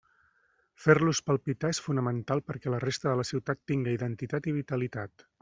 Fer-los palpitar és fonamental perquè la resta de la ciutat tinga identitat i vitalitat.